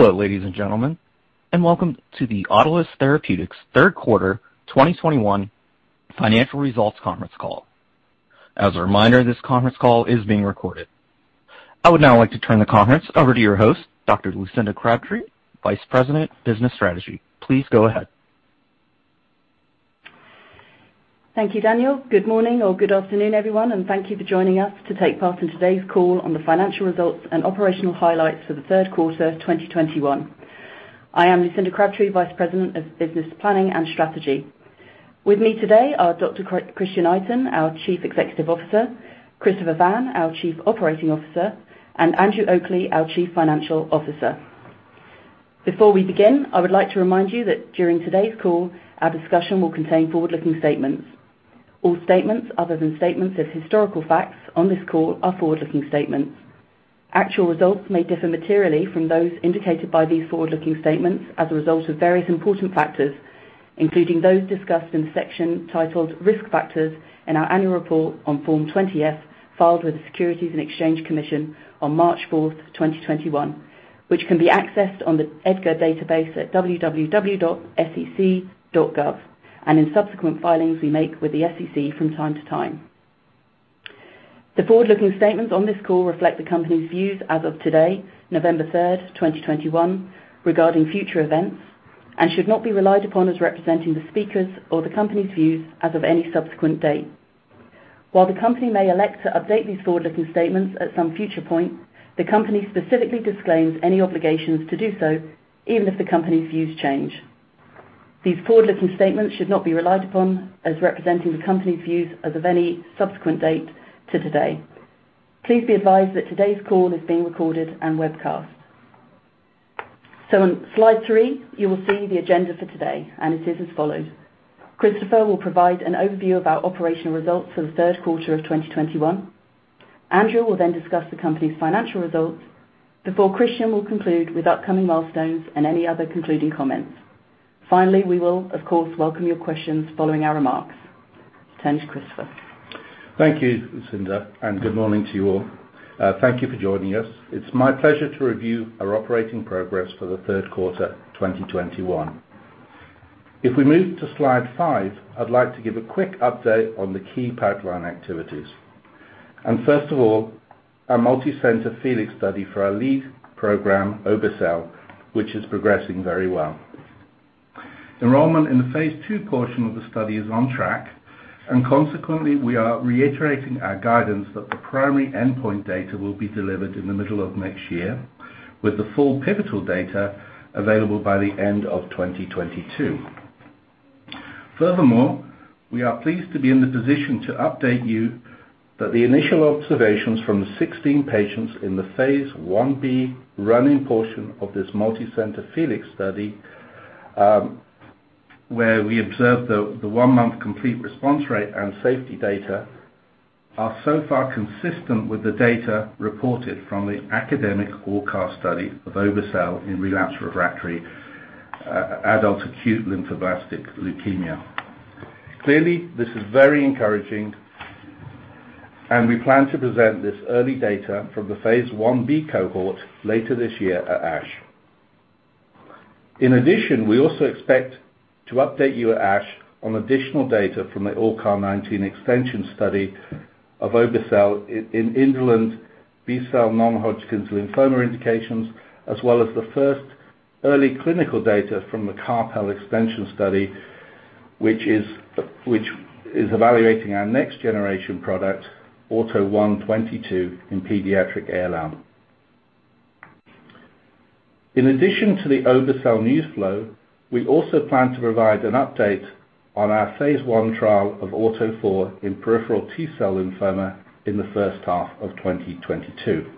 Hello, ladies and gentlemen, and welcome to the Autolus Therapeutics third quarter 2021 financial results conference call. As a reminder, this conference call is being recorded. I would now like to turn the conference over to your host, Dr. Lucinda Crabtree, Vice President, Business Strategy. Please go ahead. Thank you, Daniel. Good morning or good afternoon, everyone, and thank you for joining us to take part in today's call on the financial results and operational highlights for the third quarter 2021. I am Lucinda Crabtree, Vice President of Business Planning and Strategy. With me today are Dr. Christian Itin, our Chief Executive Officer, Christopher Vann, our Chief Operating Officer, and Andrew Oakley, our Chief Financial Officer. Before we begin, I would like to remind you that during today's call, our discussion will contain forward-looking statements. All statements other than statements of historical facts on this call are forward-looking statements. Actual results may differ materially from those indicated by these forward-looking statements as a result of various important factors, including those discussed in the section titled Risk Factors in our annual report on Form 20-F filed with the Securities and Exchange Commission on March 4th, 2021, which can be accessed on the EDGAR database at www.sec.gov and in subsequent filings we make with the SEC from time to time. The forward-looking statements on this call reflect the company's views as of today, November 3rd, 2021, regarding future events and should not be relied upon as representing the speakers or the company's views as of any subsequent date. While the company may elect to update these forward-looking statements at some future point, the company specifically disclaims any obligations to do so even if the company's views change. These forward-looking statements should not be relied upon as representing the company's views as of any subsequent date to today. Please be advised that today's call is being recorded and webcast. On slide three, you will see the agenda for today, and it is as follows. Christopher will provide an overview of our operational results for the third quarter of 2021. Andrew will then discuss the company's financial results before Christian will conclude with upcoming milestones and any other concluding comments. Finally, we will of course welcome your questions following our remarks. I turn to Christopher. Thank you, Lucinda, and good morning to you all. Thank you for joining us. It's my pleasure to review our operating progress for the third quarter 2021. If we move to slide five, I'd like to give a quick update on the key pipeline activities. First of all, our multi-center FELIX study for our lead program, obe-cel, which is progressing very well. Enrollment in the phase II portion of the study is on track, and consequently, we are reiterating our guidance that the primary endpoint data will be delivered in the middle of next year, with the full pivotal data available by the end of 2022. Furthermore, we are pleased to be in the position to update you that the initial observations from the 16 patients in the phase I-B portion of this multi-center FELIX study, where we observed the one-month complete response rate and safety data are so far consistent with the data reported from the academic ALLCAR study of obe-cel in relapsed/refractory adult acute lymphoblastic leukemia. Clearly, this is very encouraging, and we plan to present this early data from the phase I-B cohort later this year at ASH. In addition, we also expect to update you at ASH on additional data from the ALLCAR19 extension study of obe-cel in indolent B-cell non-Hodgkin's lymphoma indications, as well as the first early clinical data from the CAR T-cell extension study, which is evaluating our next-generation product, AUTO1/22, in Pediatric ALL. In addition to the obe-cel news flow, we also plan to provide an update on our phase I trial of AUTO4 in peripheral T-cell lymphoma in the first half of 2022.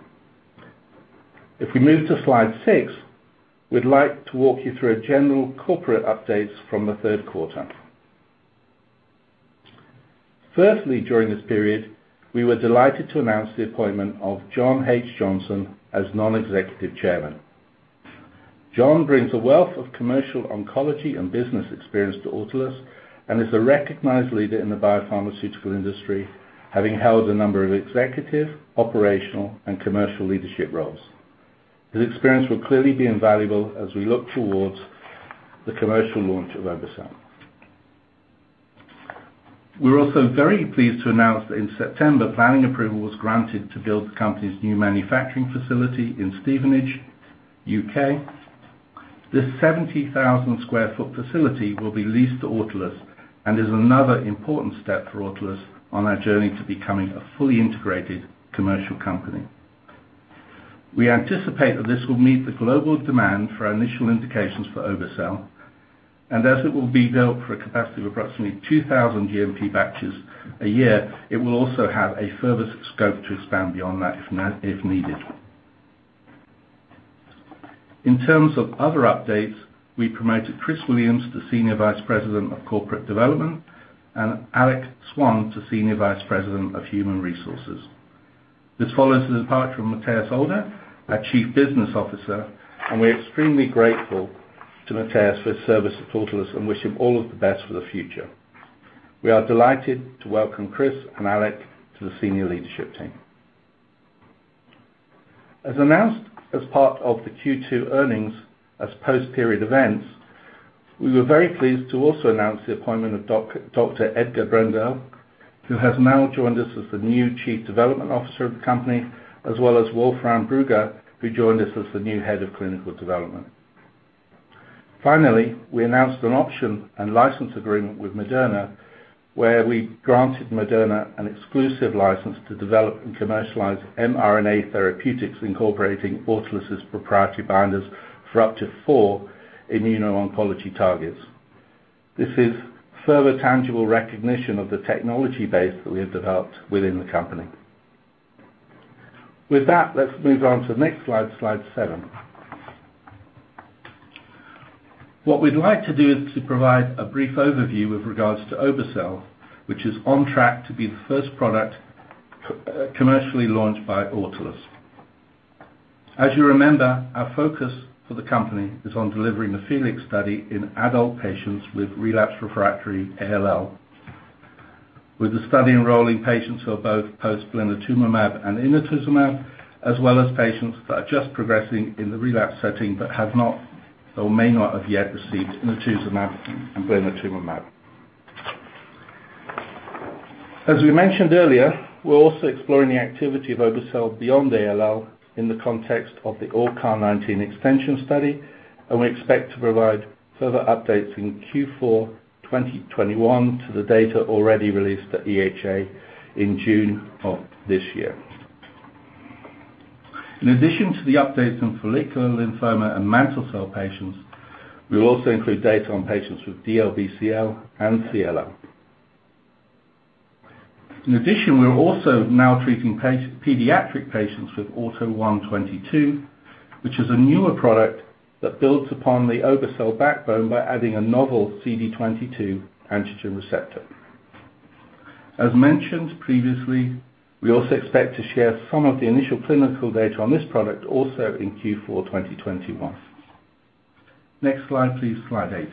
If we move to slide six, we'd like to walk you through a general corporate updates from the third quarter. Firstly, during this period, we were delighted to announce the appointment of John H. Johnson as Non-Executive Chairman. John brings a wealth of commercial oncology and business experience to Autolus and is a recognized leader in the biopharmaceutical industry, having held a number of executive, operational, and commercial leadership roles. His experience will clearly be invaluable as we look towards the commercial launch of obe-cel. We're also very pleased to announce that in September, planning approval was granted to build the company's new manufacturing facility in Stevenage, U.K. This 70,000 sq ft facility will be leased to Autolus and is another important step for Autolus on our journey to becoming a fully integrated commercial company. We anticipate that this will meet the global demand for our initial indications for obe-cel, and as it will be built for a capacity of approximately 2,000 GMP batches a year, it will also have a further scope to expand beyond that if needed. In terms of other updates, we promoted Chris Williams to Senior Vice President of Corporate Development and Alec Swan to Senior Vice President of Human Resources. This follows the departure of Matthias Alder, our Chief Business Officer, and we're extremely grateful to Matthias for his service at Autolus and wish him all of the best for the future. We are delighted to welcome Chris and Alec to the senior leadership team. As announced as part of the Q2 earnings as post-period events, we were very pleased to also announce the appointment of Dr. Edgar Braendle, who has now joined us as the new Chief Development Officer of the company, as well as Wolfram Brugger, who joined us as the new Head of Clinical Development. Finally, we announced an option and license agreement with Moderna, where we granted Moderna an exclusive license to develop and commercialize mRNA therapeutics, incorporating Autolus' proprietary binders for up to four immuno-oncology targets. This is further tangible recognition of the technology base that we have developed within the company. With that, let's move on to the next slide seven. What we'd like to do is to provide a brief overview with regards to obe-cel, which is on track to be the first product commercially launched by Autolus. As you remember, our focus for the company is on delivering the FELIX study in adult patients with relapsed/refractory ALL. With the study enrolling patients who are both post blinatumomab and inotuzumab, as well as patients that are just progressing in the relapse setting but have not or may not have yet received inotuzumab and blinatumomab. As we mentioned earlier, we're also exploring the activity of obe-cel beyond ALL in the context of the ALLCAR19 extension study, and we expect to provide further updates in Q4 2021 to the data already released at EHA in June of this year. In addition to the updates on follicular lymphoma and mantle cell patients, we will also include data on patients with DLBCL and CLL. In addition, we're also now treating Pediatric patients with AUTO1/22, which is a newer product that builds upon the obe-cel backbone by adding a novel CD22 antigen receptor. As mentioned previously, we also expect to share some of the initial clinical data on this product also in Q4 2021. Next slide, please, slide eight.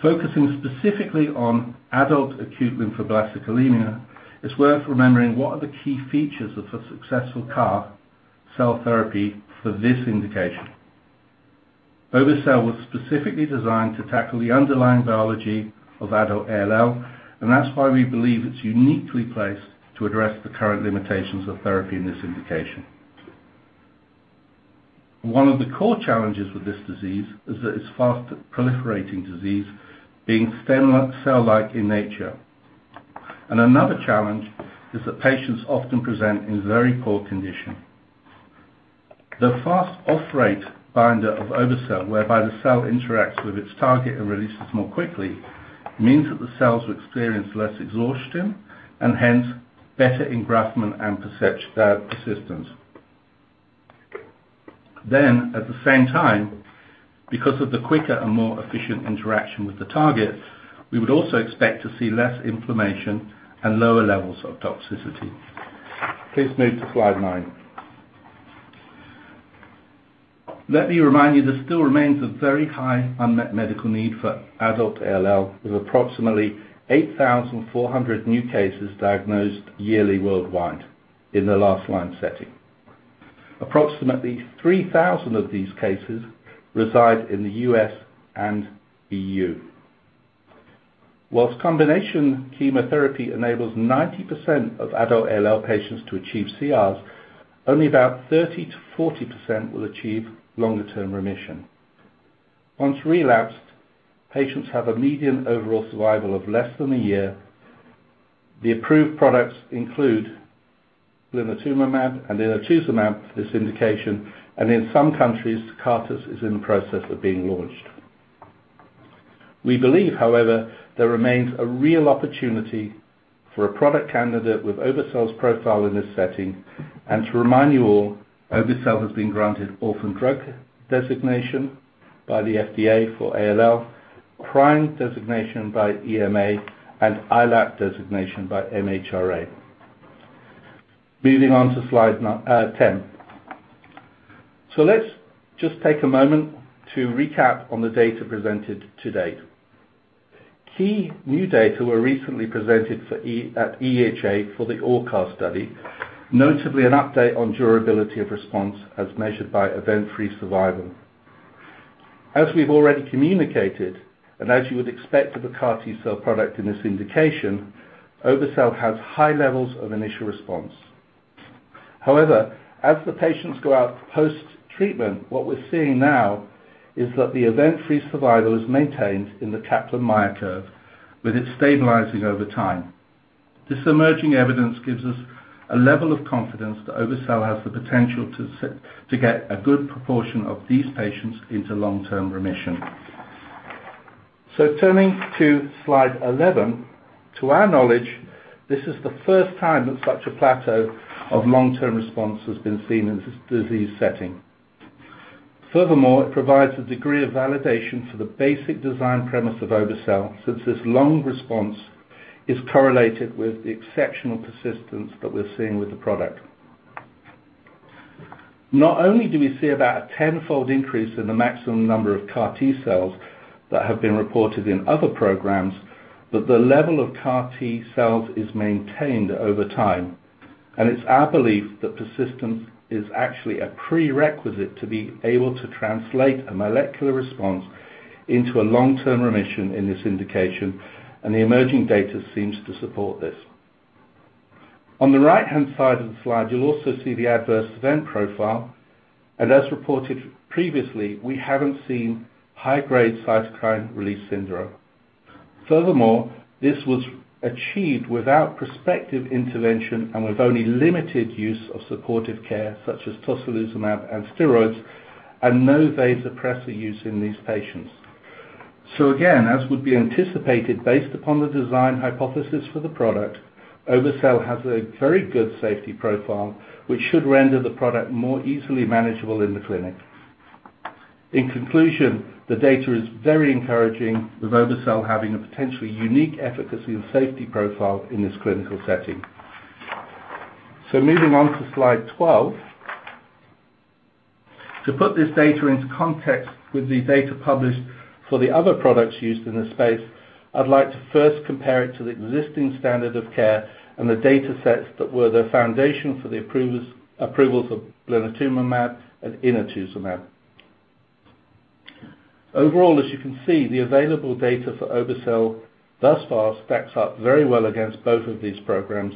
Focusing specifically on adult acute lymphoblastic leukemia, it's worth remembering what are the key features of a successful CAR T-cell therapy for this indication. Obe-cel was specifically designed to tackle the underlying biology of Adult ALL, and that's why we believe it's uniquely placed to address the current limitations of therapy in this indication. One of the core challenges with this disease is that it's fast proliferating disease, being stem cell-like in nature. Another challenge is that patients often present in very poor condition. The fast off-rate binder of obe-cel, whereby the cell interacts with its target and releases more quickly, means that the cells will experience less exhaustion and hence better engraftment and persistence. At the same time, because of the quicker and more efficient interaction with the target, we would also expect to see less inflammation and lower levels of toxicity. Please move to slide nine. Let me remind you, there still remains a very high unmet medical need for Adult ALL, with approximately 8,400 new cases diagnosed yearly worldwide in the last-line setting. Approximately 3,000 of these cases reside in the U.S. and EU. While combination chemotherapy enables 90% of Adult ALL patients to achieve CRs, only about 30%-40% will achieve longer-term remission. Once relapsed, patients have a median overall survival of less than a year. The approved products include blinatumomab and inotuzumab for this indication, and in some countries, Tecartus is in the process of being launched. We believe, however, there remains a real opportunity for a product candidate with obe-cel's profile in this setting, and to remind you all, obe-cel has been granted orphan drug designation by the FDA for ALL, prime designation by EMA, and ILAP designation by MHRA. Moving on to slide 10. Let's just take a moment to recap on the data presented to date. Key new data were recently presented at EHA for the ALLCAR study, notably an update on durability of response as measured by event-free survival. As we've already communicated, and as you would expect of a CAR T-cell product in this indication, obe-cel has high levels of initial response. However, as the patients go out post-treatment, what we're seeing now is that the event-free survival is maintained in the Kaplan-Meier curve, with it stabilizing over time. This emerging evidence gives us a level of confidence that obe-cel has the potential to get a good proportion of these patients into long-term remission. Turning to slide 11, to our knowledge, this is the first time that such a plateau of long-term response has been seen in this disease setting. Furthermore, it provides a degree of validation for the basic design premise of obe-cel, since this long response is correlated with the exceptional persistence that we're seeing with the product. Not only do we see about a tenfold increase in the maximum number of CAR T-cells that have been reported in other programs, but the level of CAR T-cells is maintained over time. It's our belief that persistence is actually a prerequisite to be able to translate a molecular response into a long-term remission in this indication, and the emerging data seems to support this. On the right-hand side of the slide, you'll also see the adverse event profile. As reported previously, we haven't seen high-grade cytokine release syndrome. Furthermore, this was achieved without prospective intervention and with only limited use of supportive care, such as tocilizumab and steroids, and no vasopressor use in these patients. Again, as would be anticipated, based upon the design hypothesis for the product, obe-cel has a very good safety profile which should render the product more easily manageable in the clinic. In conclusion, the data is very encouraging, with obe-cel having a potentially unique efficacy and safety profile in this clinical setting. Moving on to slide 12. To put this data into context with the data published for the other products used in this space, I'd like to first compare it to the existing standard of care and the data sets that were the foundation for the approvals of blinatumomab and inotuzumab. Overall, as you can see, the available data for obe-cel thus far stacks up very well against both of these programs,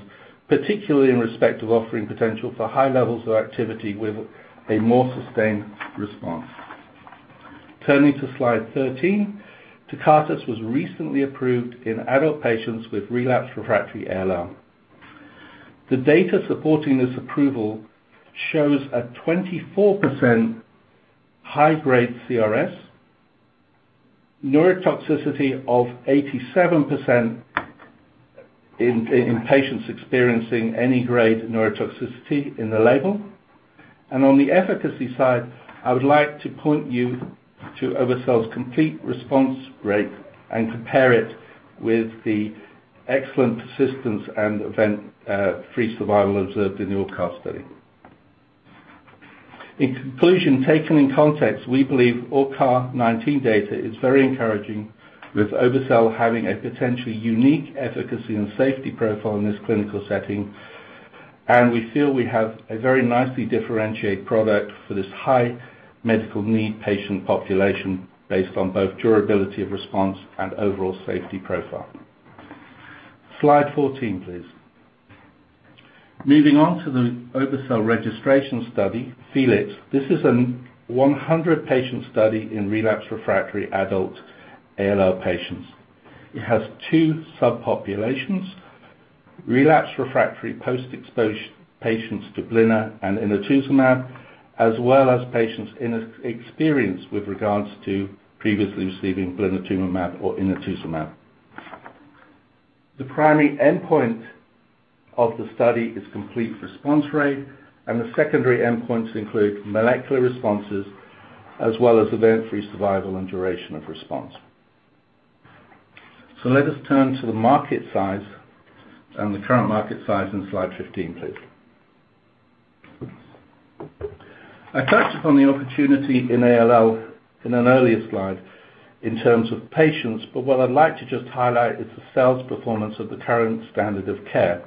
particularly in respect of offering potential for high levels of activity with a more sustained response. Turning to slide 13, Tecartus was recently approved in adult patients with relapsed/refractory ALL. The data supporting this approval shows a 24% high-grade CRS, neurotoxicity of 87% in patients experiencing any grade neurotoxicity in the label. On the efficacy side, I would like to point you to obe-cel's complete response rate and compare it with the excellent persistence and event-free survival observed in the ALLCAR study. In conclusion, taken in context, we believe ALLCAR19 data is very encouraging, with obe-cel having a potentially unique efficacy and safety profile in this clinical setting. We feel we have a very nicely differentiated product for this high medical need patient population based on both durability of response and overall safety profile. Slide 14, please. Moving on to the obe-cel registration study, FELIX, this is a 100-patient study in relapsed/refractory Adult ALL patients. It has two subpopulations: relapsed/refractory post-exposure patients to blinatumomab and inotuzumab, as well as patients inexperienced with regards to previously receiving blinatumomab or inotuzumab. The primary endpoint of the study is complete response rate, and the secondary endpoints include molecular responses as well as event-free survival and duration of response. Let us turn to the market size and the current market size in slide 15, please. I touched upon the opportunity in ALL in an earlier slide in terms of patients, but what I'd like to just highlight is the sales performance of the current standard of care,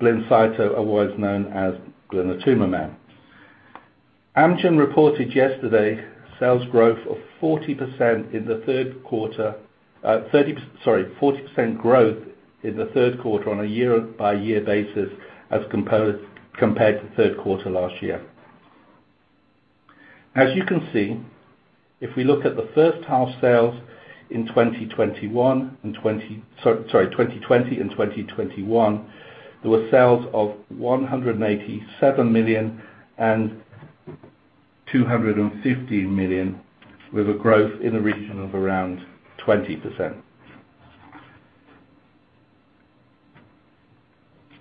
Blincyto, otherwise known as blinatumomab. Amgen reported yesterday sales growth of 40% in the third quarter, 40% growth in the third quarter on a year-over-year basis as compared to third quarter last year. As you can see, if we look at the first half sales in 2021 and 20... 2020 and 2021, there were sales of $187 million and $215 million, with a growth in the region of around 20%.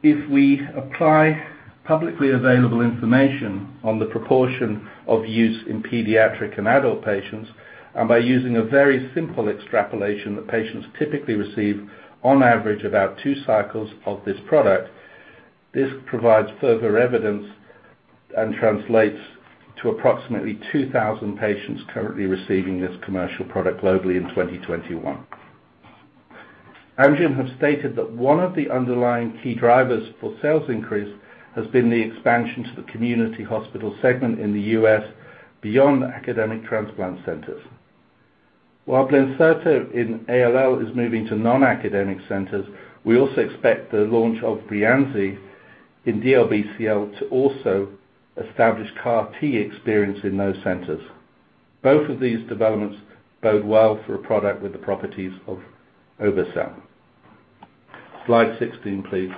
If we apply publicly available information on the proportion of use in Pediatric and adult patients, and by using a very simple extrapolation that patients typically receive on average about two cycles of this product, this provides further evidence and translates to approximately 2,000 patients currently receiving this commercial product globally in 2021. Amgen have stated that one of the underlying key drivers for sales increase has been the expansion to the community hospital segment in the U.S. beyond academic transplant centers. While Blincyto in ALL is moving to non-academic centers, we also expect the launch of Breyanzi in DLBCL to also establish CAR T experience in those centers. Both of these developments bode well for a product with the properties of obe-cel. Slide 16, please.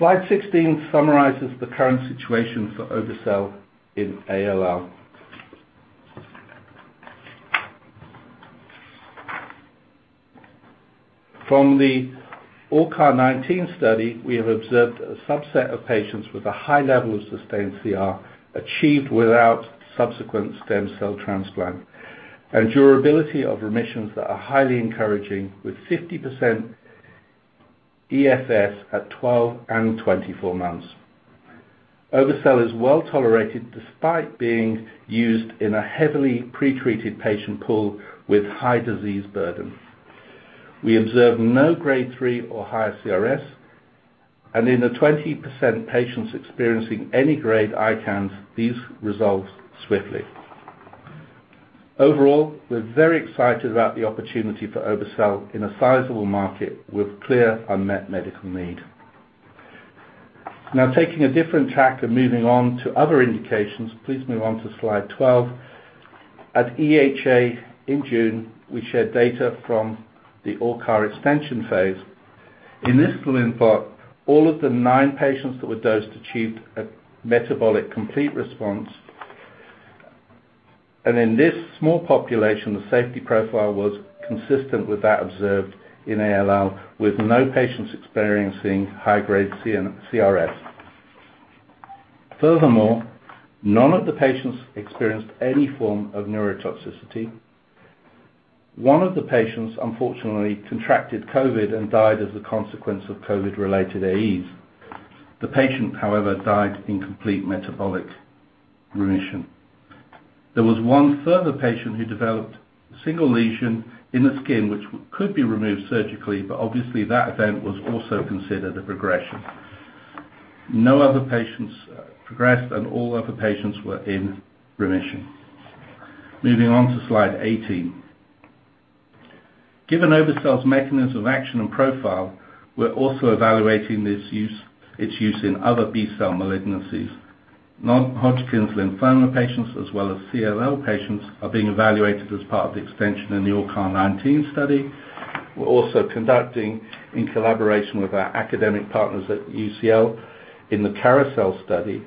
Slide 16 summarizes the current situation for obe-cel in ALL. From the ALLCAR19 study, we have observed a subset of patients with a high level of sustained CR achieved without subsequent stem cell transplant, and durability of remissions that are highly encouraging, with 50% EFS at 12 and 24 months. Obe-cel is well tolerated despite being used in a heavily pre-treated patient pool with high disease burden. We observe no Grade 3 or higher CRS, and in the 20% patients experiencing any grade ICANS, these resolve swiftly. Overall, we're very excited about the opportunity for obe-cel in a sizable market with clear unmet medical need. Now taking a different track and moving on to other indications, please move on to slide 12. At EHA in June, we shared data from the ALLCAR extension phase. In this clinical trial, all of the nine patients that were dosed achieved a metabolic complete response. In this small population, the safety profile was consistent with that observed in ALL, with no patients experiencing high-grade CRS. Furthermore, none of the patients experienced any form of neurotoxicity. One of the patients, unfortunately, contracted COVID and died as a consequence of COVID-related AEs. The patient, however, died in complete metabolic remission. There was one further patient who developed a single lesion in the skin, which could be removed surgically, but obviously that event was also considered a progression. No other patients progressed, and all other patients were in remission. Moving on to slide 18. Given obe-cel's mechanism of action and profile, we're also evaluating its use in other B-cell malignancies. Non-Hodgkin's lymphoma patients as well as CLL patients are being evaluated as part of the extension in the ALLCAR19 study. We're also conducting, in collaboration with our academic partners at UCL in the CAROUSEL study,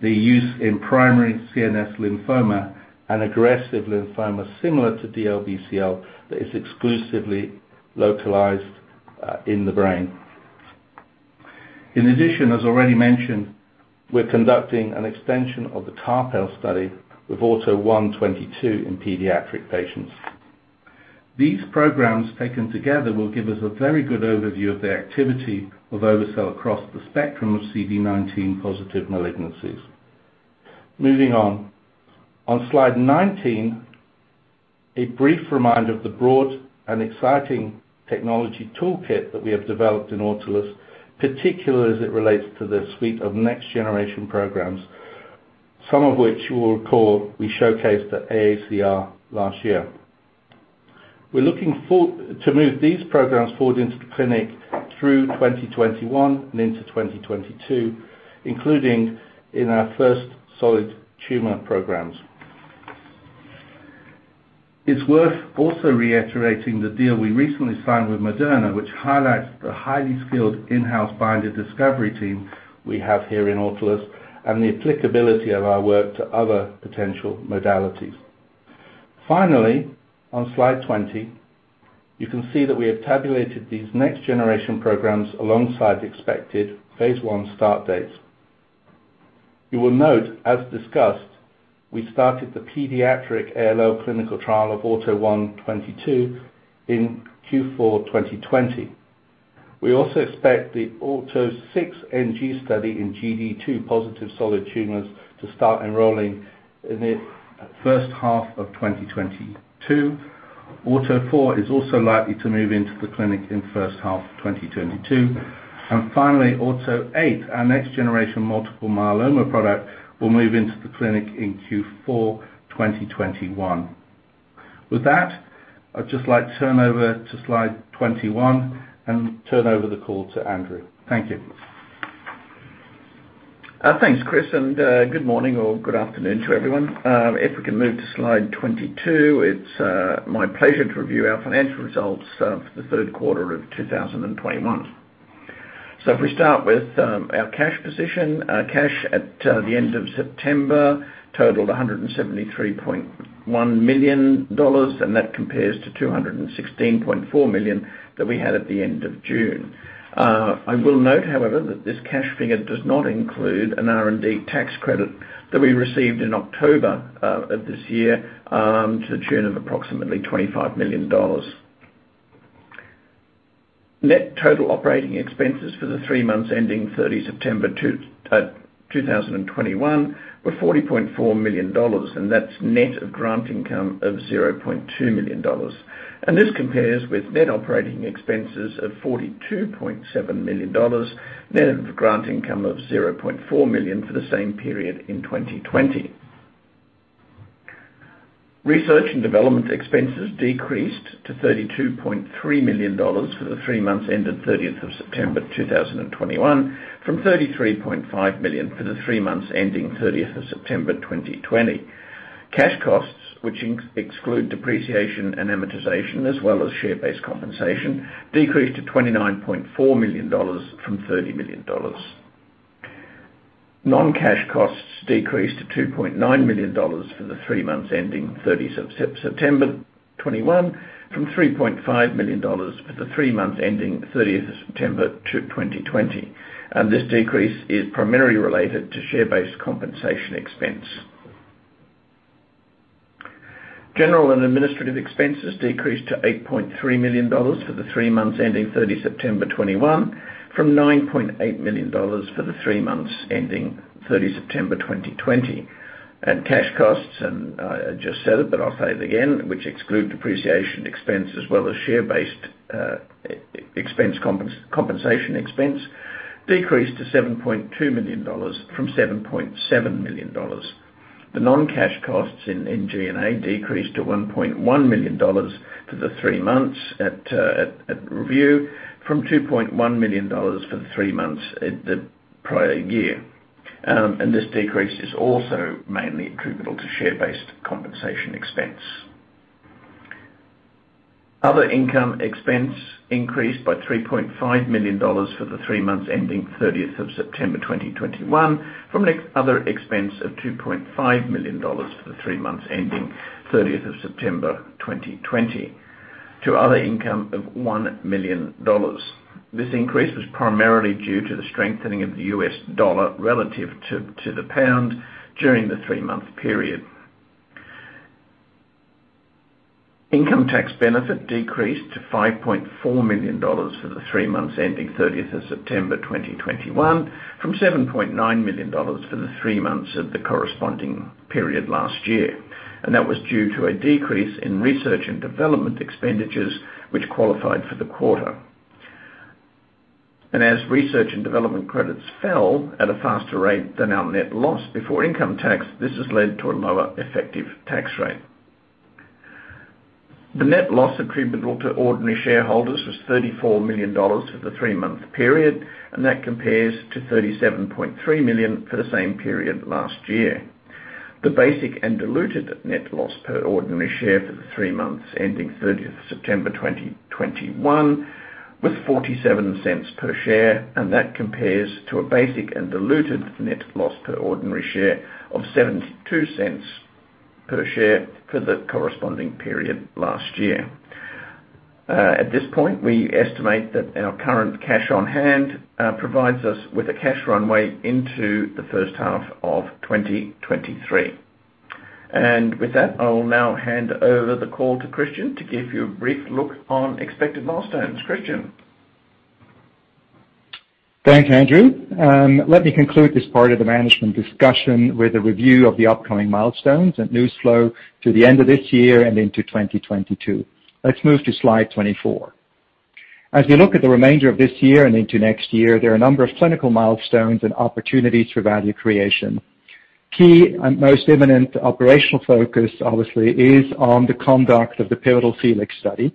the use in primary CNS lymphoma and aggressive lymphoma similar to DLBCL that is exclusively localized in the brain. In addition, as already mentioned, we're conducting an extension of the CAR T-cell study with AUTO1/22 in Pediatric patients. These programs taken together will give us a very good overview of the activity of obe-cel across the spectrum of CD19-positive malignancies. Moving on. On slide 19, a brief reminder of the broad and exciting technology toolkit that we have developed in Autolus, particularly as it relates to the suite of next-generation programs, some of which you will recall we showcased at AACR last year. We're looking to move these programs forward into the clinic through 2021 and into 2022, including in our first solid tumor programs. It's worth also reiterating the deal we recently signed with Moderna, which highlights the highly skilled in-house binder discovery team we have here in Autolus and the applicability of our work to other potential modalities. Finally, on slide 20, you can see that we have tabulated these next-generation programs alongside expected phase I start dates. You will note, as discussed, we started the Pediatric ALL clinical trial of AUTO1/22 in Q4 2020. We also expect the AUTO6NG study in GD2-positive solid tumors to start enrolling in the first half of 2022. AUTO4 is also likely to move into the clinic in the first half of 2022. Finally, AUTO8, our next-generation multiple myeloma product, will move into the clinic in Q4 2021. With that, I'd just like to turn over to slide 21 and turn over the call to Andrew. Thank you. Thanks, Chris, and good morning or good afternoon to everyone. If we can move to slide 22, it's my pleasure to review our financial results for the third quarter of 2021. If we start with our cash position, cash at the end of September totaled $173.1 million, and that compares to $216.4 million that we had at the end of June. I will note, however, that this cash figure does not include an R&D tax credit that we received in October of this year to the tune of approximately $25 million. Net total operating expenses for the three months ending 30 September 2021 were $40.4 million, and that's net of grant income of $0.2 million. This compares with net operating expenses of $42.7 million, net of grant income of $0.4 million for the same period in 2020. Research and development expenses decreased to $32.3 million for the three months ending 30th of September 2021 from $33.5 million for the three months ending 30th September 2020. Cash costs, which exclude depreciation and amortization, as well as share-based compensation, decreased to $29.4 million from $30 million. Non-cash costs decreased to $2.9 million for the three months ending 30 September 2021 from $3.5 million for the three months ending 30th September 2020. This decrease is primarily related to share-based compensation expense. General and administrative expenses decreased to $8.3 million for the three months ending 30 September 2021 from $9.8 million for the three months ending 30 September 2020. Cash costs, and I just said it, but I'll say it again, which exclude depreciation expense as well as share-based compensation expense, decreased to $7.2 million from $7.7 million. The non-cash costs in G&A decreased to $1.1 million for the three months at review from $2.1 million for the three months of the prior year. This decrease is also mainly attributable to share-based compensation expense. Other income/expense increased by $3.5 million for the three months ending 30th of September 2021 from other expense of $2.5 million for the three months ending 30th of September 2020 to other income of $1 million. This increase was primarily due to the strengthening of the U.S. dollar relative to the pound during the three-month period. Income tax benefit decreased to $5.4 million for the three months ending 30th of September 2021 from $7.9 million for the three months of the corresponding period last year. That was due to a decrease in research and development expenditures which qualified for the quarter. As research and development credits fell at a faster rate than our net loss before income tax, this has led to a lower effective tax rate. The net loss attributable to ordinary shareholders was $34 million for the three-month period, and that compares to $37.3 million for the same period last year. The basic and diluted net loss per ordinary share for the three months ending 30th September 2021 was $0.47 per share, and that compares to a basic and diluted net loss per ordinary share of $0.72 per share for the corresponding period last year. At this point, we estimate that our current cash on hand provides us with a cash runway into the first half of 2023. With that, I will now hand over the call to Christian to give you a brief look on expected milestones. Christian. Thanks, Andrew. Let me conclude this part of the management discussion with a review of the upcoming milestones and news flow to the end of this year and into 2022. Let's move to slide 24. As we look at the remainder of this year and into next year, there are a number of clinical milestones and opportunities for value creation. Key and most imminent operational focus, obviously, is on the conduct of the pivotal FELIX study,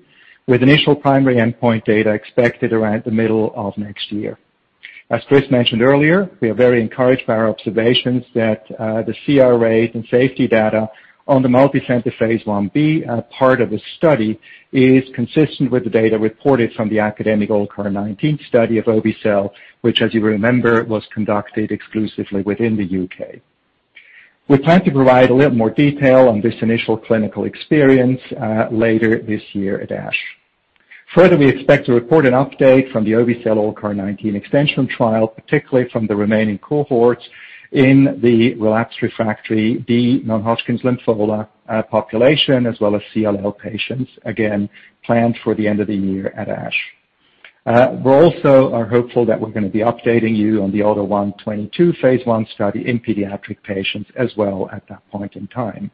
with initial primary endpoint data expected around the middle of next year. As Chris mentioned earlier, we are very encouraged by our observations that the CRAs and safety data on the multicenter phase I-B part of the study is consistent with the data reported from the academic ALLCAR19 study of obe-cel, which as you remember, was conducted exclusively within the U.K. We plan to provide a little more detail on this initial clinical experience later this year at ASH. Further, we expect to report an update from the obe-cel ALLCAR19 extension trial, particularly from the remaining cohorts in the relapsed/refractory, the non-Hodgkin's lymphoma population, as well as CLL patients, again, planned for the end of the year at ASH. We're hopeful that we're gonna be updating you on the AUTO1/22 phase I study in Pediatric patients as well at that point in time.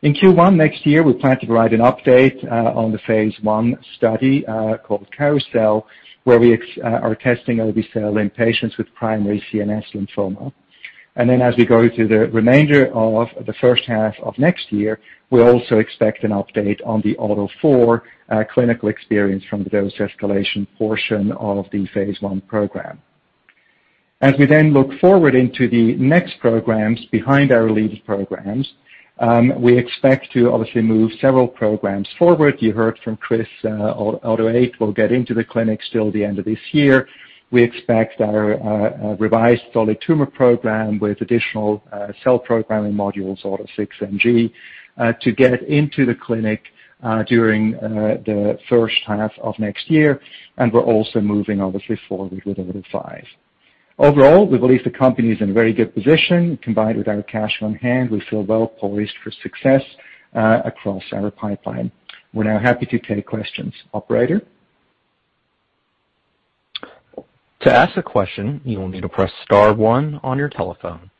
In Q1 next year, we plan to provide an update on the phase I study called CAROUSEL, where we are testing obe-cel in patients with primary CNS lymphoma. Then as we go through the remainder of the first half of next year, we also expect an update on the AUTO4 clinical experience from the dose escalation portion of the phase I program. As we then look forward to the next programs behind our lead programs, we expect to obviously move several programs forward. You heard from Chris. AUTO8 will get into the clinic at the end of this year. We expect our revised solid tumor program with additional cell programming modules, AUTO6NG, to get into the clinic during the first half of next year. We're also moving obviously forward with AUTO5. Overall, we believe the company is in very good position. Combined with our cash on hand, we feel well poised for success across our pipeline. We're now happy to take questions. Operator? To ask a question, you will need to press star one on your telephone.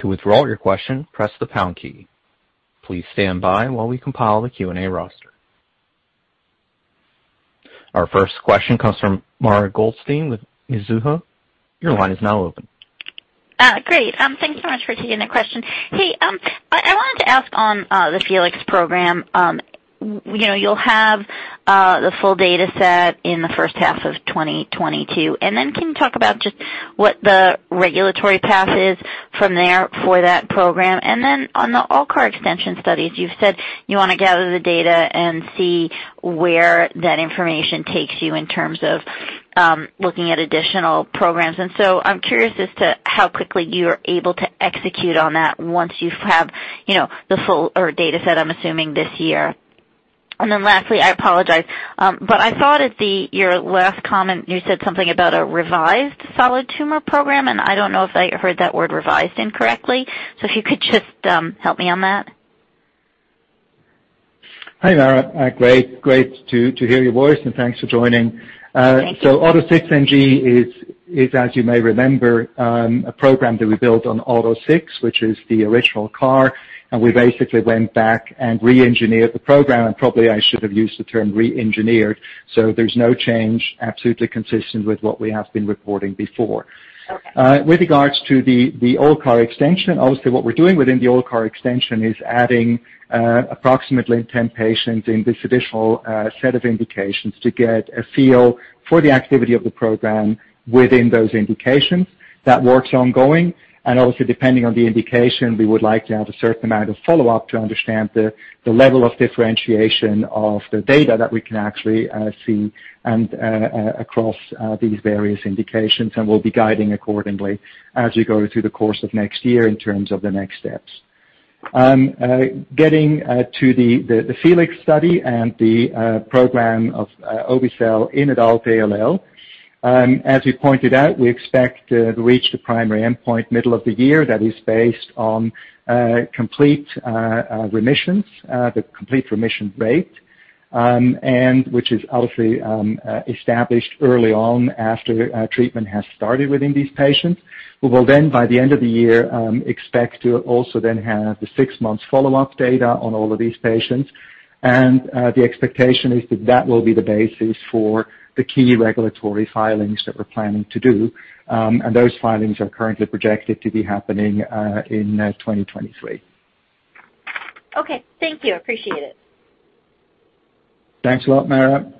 To withdraw your question, press the pound key. Please stand by while we compile the Q&A roster. Our first question comes from Mara Goldstein with Mizuho. Your line is now open. Great. Thank you so much for taking the question. Hey, I wanted to ask on the FELIX program. You know, you'll have the full data set in the first half of 2022. Can you talk about just what the regulatory path is from there for that program? On the ALLCAR extension studies, you've said you wanna gather the data and see where that information takes you in terms of looking at additional programs. I'm curious as to how quickly you're able to execute on that once you have, you know, the full or data set, I'm assuming this year. Lastly, I apologize, but I thought at your last comment, you said something about a revised solid tumor program, and I don't know if I heard that word revised incorrectly. If you could just help me on that. Hi, Mara. Great to hear your voice, and thanks for joining. Thank you. AUTO6NG is, as you may remember, a program that we built on AUTO6, which is the original CAR, and we basically went back and re-engineered the program, and probably I should have used the term re-engineered. There's no change, absolutely consistent with what we have been reporting before. With regards to the ALLCAR extension, obviously what we're doing within the ALLCAR extension is adding approximately 10 patients in this additional set of indications to get a feel for the activity of the program within those indications. That work's ongoing. Obviously, depending on the indication, we would like to have a certain amount of follow-up to understand the level of differentiation of the data that we can actually see and across these various indications. We'll be guiding accordingly as we go through the course of next year in terms of the next steps. Getting to the FELIX study and the program of obe-cel in Adult ALL, as we pointed out, we expect to reach the primary endpoint middle of the year. That is based on the complete remission rate, which is obviously established early on after treatment has started within these patients. We will then, by the end of the year, expect to also then have the six-months follow-up data on all of these patients. The expectation is that that will be the basis for the key regulatory filings that we're planning to do, and those filings are currently projected to be happening in 2023. Okay. Thank you. Appreciate it. Thanks a lot, Mara.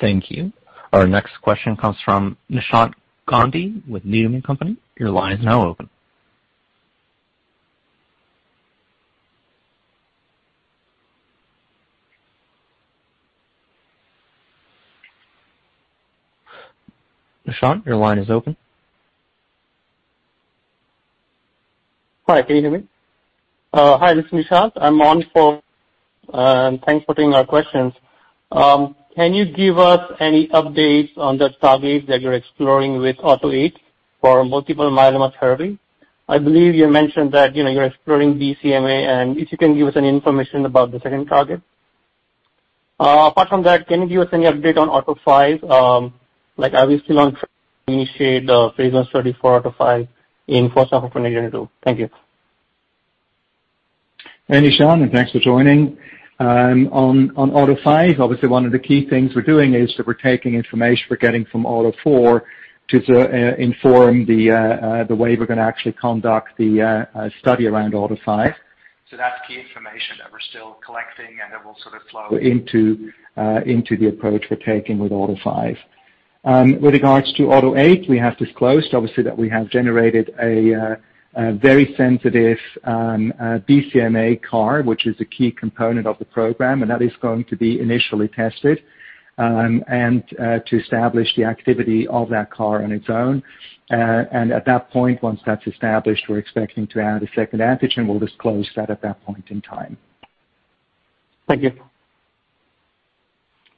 Thank you. Our next question comes from Nishant Gandhi with Needham & Company. Your line is now open. Nishant, your line is open. Hi. Can you hear me? Hi. This is Nishant. I'm on for. Thanks for taking our questions. Can you give us any updates on the targets that you're exploring with AUTO8 for multiple myeloma therapy? I believe you mentioned that, you know, you're exploring BCMA, and if you can give us any information about the second target. Apart from that, can you give us any update on AUTO5? Like, are we still on track to initiate the phase I study for AUTO5 in first half of 2022? Thank you. Hey, Nishant, and thanks for joining. On AUTO5, obviously one of the key things we're doing is that we're taking information we're getting from AUTO4 to inform the way we're gonna actually conduct the study around AUTO5. That's key information that we're still collecting and that will sort of flow into the approach we're taking with AUTO5. With regards to AUTO8, we have disclosed obviously that we have generated a very sensitive BCMA CAR, which is a key component of the program, and that is going to be initially tested to establish the activity of that CAR on its own. At that point, once that's established, we're expecting to add a second antigen. We'll disclose that at that point in time. Thank you.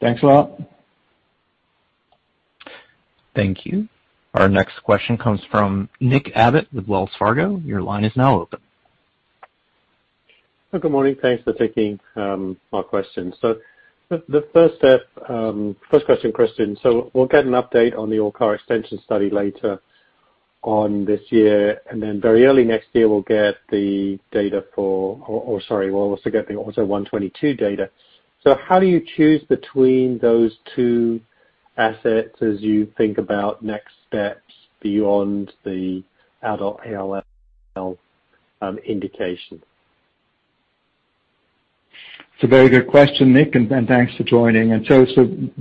Thanks a lot. Thank you. Our next question comes from Nick Abbott with Wells Fargo. Your line is now open. Good morning. Thanks for taking my question. The first question, Christian. We'll get an update on the ALLCAR extension study later on this year, and then very early next year, we'll also get the AUTO1/22 data. How do you choose between those two assets as you think about next steps beyond the Adult ALL indication? It's a very good question, Nick, and thanks for joining. So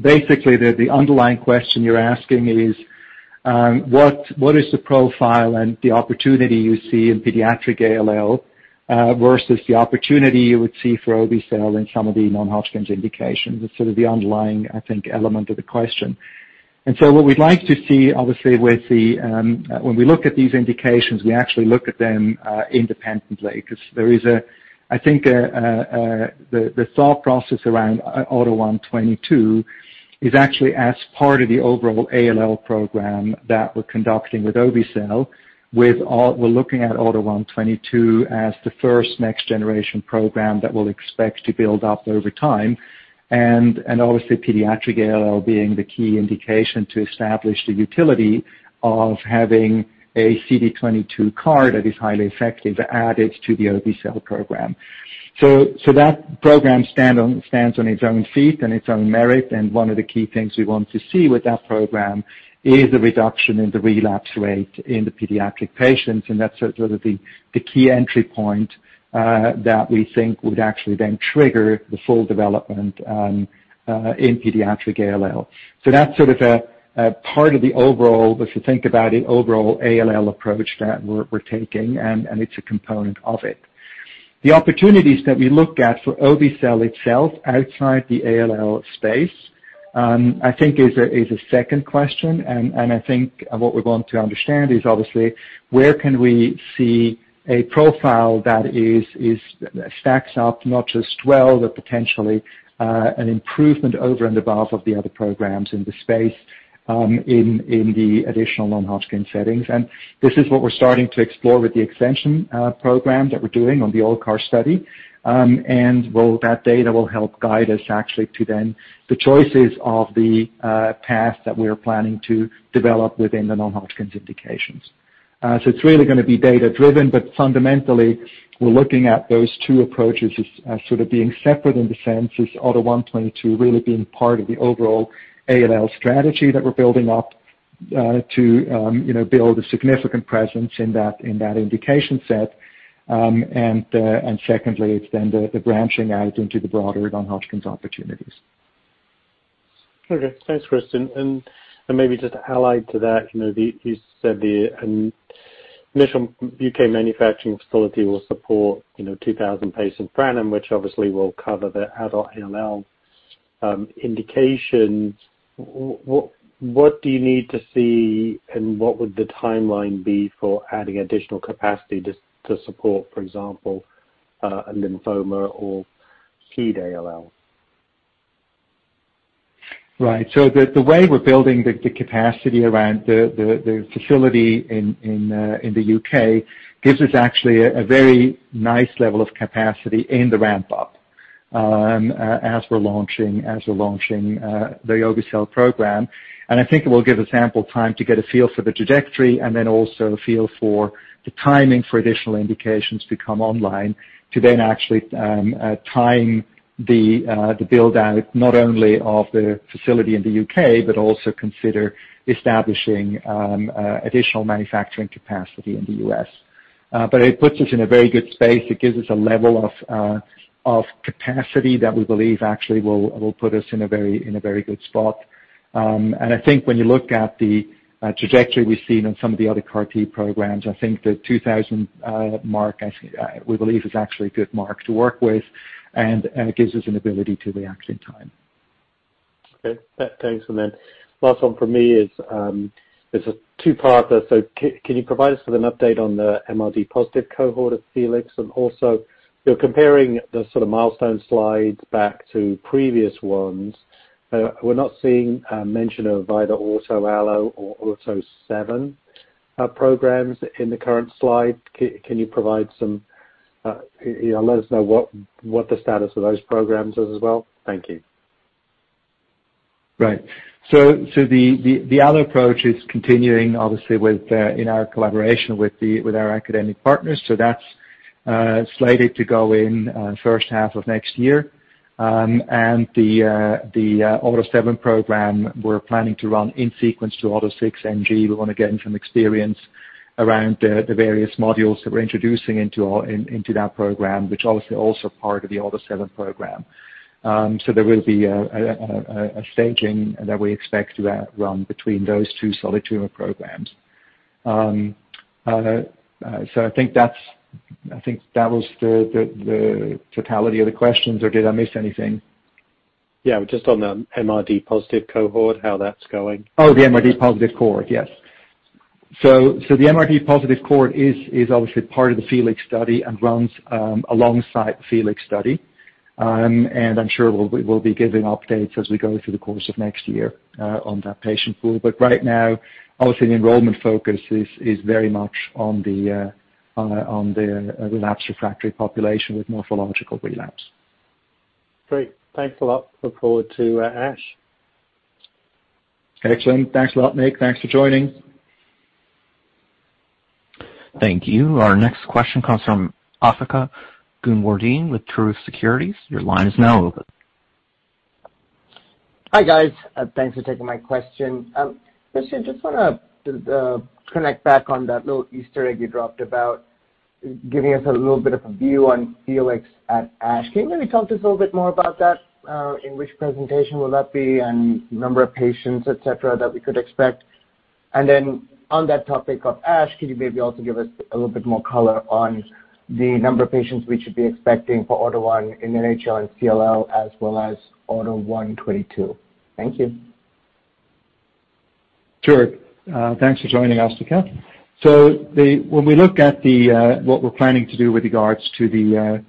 basically the underlying question you're asking is, what is the profile and the opportunity you see in Pediatric ALL versus the opportunity you would see for obe-cel in some of the non-Hodgkin's indications? Is sort of the underlying, I think, element of the question. What we'd like to see, obviously, with the, when we look at these indications, we actually look at them independently 'cause there is a, I think, the thought process around AUTO1/22 is actually as part of the overall ALL program that we're conducting with obe-cel with all... We're looking at AUTO1/22 as the first next-generation program that we'll expect to build up over time and obviously Pediatric ALL being the key indication to establish the utility of having a CD22 CAR that is highly effective added to the obe-cel program. That program stands on its own feet and its own merit, and one of the key things we want to see with that program is a reduction in the relapse rate in the Pediatric patients, and that's sort of the key entry point that we think would actually then trigger the full development in Pediatric ALL. That's sort of a part of the overall, if you think about it, overall ALL approach that we're taking, and it's a component of it. The opportunities that we look at for obe-cel itself outside the ALL space. I think it is a second question, and I think what we're going to understand is obviously where can we see a profile that stacks up not just well, but potentially an improvement over and above the other programs in the space, in the additional non-Hodgkin's settings. This is what we're starting to explore with the extension program that we're doing on the ALLCAR study. Well, that data will help guide us actually to the choices of the paths that we are planning to develop within the non-Hodgkin's indications. It's really gonna be data-driven, but fundamentally, we're looking at those two approaches as sort of being separate in the sense is AUTO1/22 really being part of the overall ALL strategy that we're building up to, you know, build a significant presence in that indication set. Secondly, it's then the branching out into the broader non-Hodgkin's opportunities. Okay. Thanks, Christian. Maybe just allied to that, you know, you said the initial U.K. manufacturing facility will support, you know, 2,000 patients per annum, which obviously will cover the Adult ALL indication. What do you need to see, and what would the timeline be for adding additional capacity to support, for example, a lymphoma or ped ALL? Right. The way we're building the capacity around the facility in the U.K. gives us actually a very nice level of capacity in the ramp up as we're launching the obe-cel program. I think it will give ample time to get a feel for the trajectory and then also a feel for the timing for additional indications to come online to then actually time the build out not only of the facility in the U.K., but also consider establishing additional manufacturing capacity in the U.S. It puts us in a very good space. It gives us a level of capacity that we believe actually will put us in a very good spot. I think when you look at the trajectory we've seen on some of the other CAR T programs, I think the 2,000 mark, I think, we believe is actually a good mark to work with, and it gives us an ability to react in time. Okay. Thanks. Then last one for me is a two-parter. Can you provide us with an update on the MRD-positive cohort of FELIX? Also, you're comparing the sort of milestone slides back to previous ones. We're not seeing a mention of either AUTO allo or AUTO7 programs in the current slide. Can you provide some, you know, let us know what the status of those programs is as well? Thank you. Right. The allo approach is continuing, obviously, with in our collaboration with our academic partners. That's slated to go in first half of next year. The AUTO7 program we're planning to run in sequence to AUTO6NG. We wanna gain some experience around the various modules that we're introducing into that program, which obviously also part of the AUTO7 program. There will be a staging that we expect to run between those two solid tumor programs. I think that was the totality of the questions, or did I miss anything? Yeah, just on the MRD-positive cohort, how that's going? Oh, the MRD-positive cohort. Yes. The MRD-positive cohort is obviously part of the FELIX study and runs alongside the FELIX study. I'm sure we'll be giving updates as we go through the course of next year on that patient pool. Right now, obviously, the enrollment focus is very much on the relapsed/refractory population with morphological relapse. Great. Thanks a lot. Look forward to ASH. Excellent. Thanks a lot, Nick. Thanks for joining. Thank you. Our next question comes from Asthika Goonewardene with Truist Securities. Your line is now open. Hi, guys. Thanks for taking my question. Christian, just wanna connect back on that little Easter egg you dropped about giving us a little bit of a view on FELIX at ASH. Can you maybe talk to us a little bit more about that? In which presentation will that be and number of patients, et cetera, that we could expect? On that topic of ASH, can you maybe also give us a little bit more color on the number of patients we should be expecting for AUTO1 in NHL and CLL as well as AUTO1/22? Thank you. Sure. Thanks for joining us, Asthika. When we look at what we're planning to do with regards to the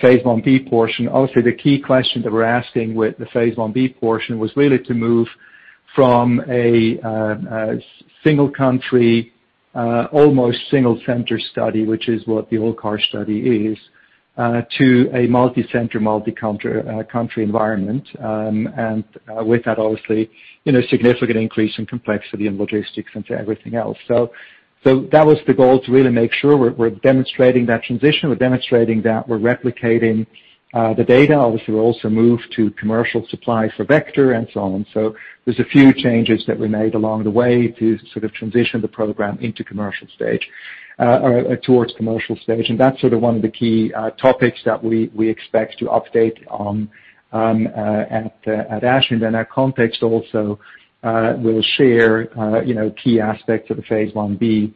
phase I-B portion, obviously the key question that we're asking with the phase I-B portion was really to move from a single country, almost single center study, which is what the old ALLCAR study is, to a multicenter, multicountry environment. With that, obviously, you know, significant increase in complexity and logistics into everything else. That was the goal to really make sure we're demonstrating that transition, we're demonstrating that we're replicating the data. Obviously, we also moved to commercial supply for vector and so on. There's a few changes that we made along the way to sort of transition the program into commercial stage, towards commercial stage, and that's sort of one of the key topics that we expect to update on at ASH. Then our context also will share you know key aspects of the phase I-B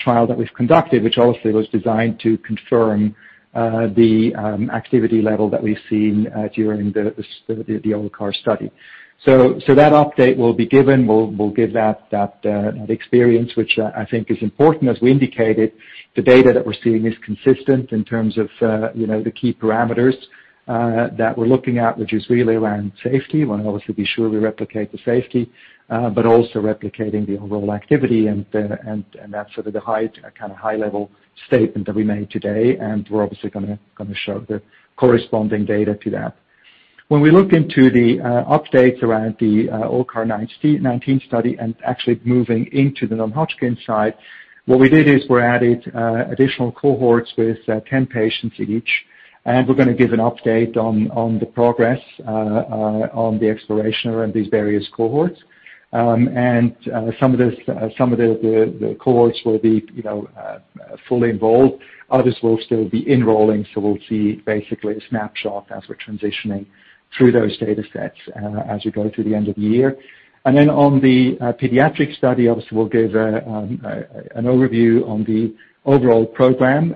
trial that we've conducted, which obviously was designed to confirm the activity level that we've seen during the ALLCAR study. That update will be given. We'll give that experience, which I think is important. As we indicated, the data that we're seeing is consistent in terms of you know the key parameters that we're looking at, which is really around safety. We wanna obviously be sure we replicate the safety, but also replicating the overall activity and that's sort of the high, kind of high-level statement that we made today, and we're obviously gonna show the corresponding data to that. When we look into the updates around the ALLCAR19 study and actually moving into the non-Hodgkin's side, what we did is we added additional cohorts with 10 patients each. We're gonna give an update on the progress on the exploration around these various cohorts. Some of the cohorts will be, you know, fully enrolled. Others will still be enrolling, so we'll see basically a snapshot as we're transitioning through those datasets as we go through the end of the year. On the Pediatric study, obviously, we'll give an overview on the overall program,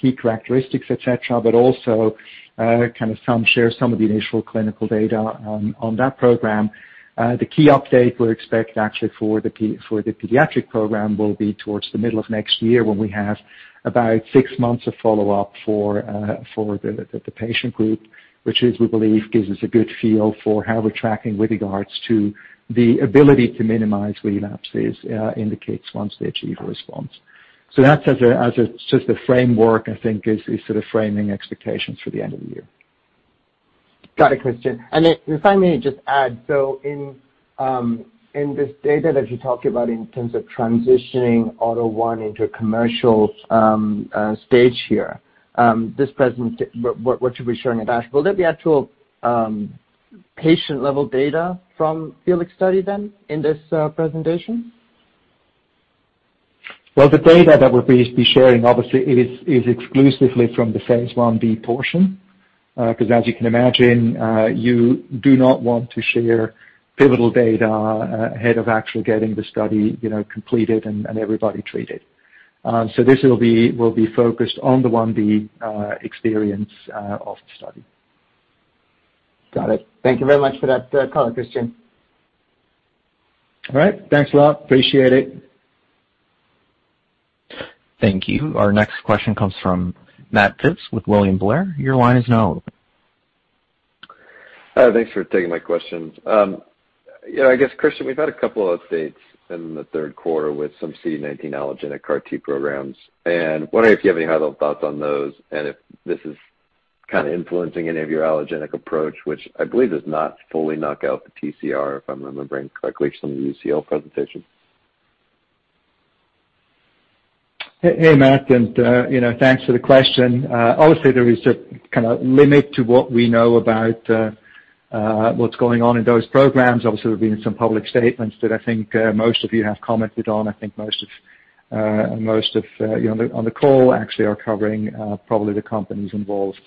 key characteristics, et cetera, but also kind of share some of the initial clinical data on that program. The key update we expect actually for the Pediatric program will be towards the middle of next year when we have about six months of follow-up for the patient group, which we believe gives us a good feel for how we're tracking with regards to the ability to minimize relapses indicates once they achieve a response. That's just a framework, I think is sort of framing expectations for the end of the year. Got it, Christian. If I may just add, in this data that you talked about in terms of transitioning AUTO1 into a commercial stage here. What should we be showing at ASH? Will there be actual patient-level data from FELIX study then in this presentation? Well, the data that we'll be sharing obviously is exclusively from the phase I-B portion. 'Cause as you can imagine, you do not want to share pivotal data ahead of actually getting the study, you know, completed and everybody treated. This will be focused on the I-B experience of the study. Got it. Thank you very much for that, color, Christian. All right. Thanks a lot. Appreciate it. Thank you. Our next question comes from Matt Phipps with William Blair. Your line is now open. Thanks for taking my questions. You know, I guess, Christian, we've had a couple of updates in the third quarter with some CD19 allogeneic CAR T programs, and wondering if you have any high-level thoughts on those and if this is kinda influencing any of your allogeneic approach, which I believe does not fully knock out the TCR, if I'm remembering correctly from the UCL presentation? Hey, Matt, you know, thanks for the question. Obviously there is a kind of limit to what we know about what's going on in those programs. Obviously, there've been some public statements that I think most of you have commented on. I think most of you know, on the call actually are covering probably the companies involved.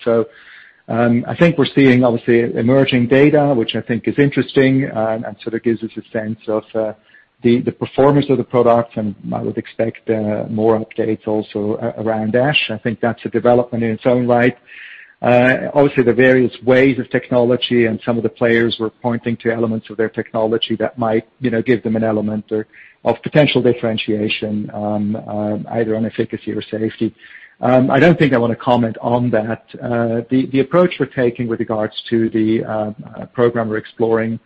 I think we're seeing obviously emerging data, which I think is interesting and sort of gives us a sense of the performance of the product, and I would expect more updates also around ASH. I think that's a development in its own right. Obviously the various ways of technology and some of the players were pointing to elements of their technology that might, you know, give them an element or of potential differentiation, either on efficacy or safety. I don't think I wanna comment on that. The approach we're taking with regards to the program we're exploring